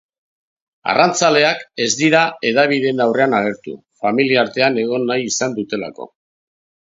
Arrantzaleak ez dira hedabideen aurrean agertu, familiartean egon nahi izan dutelako.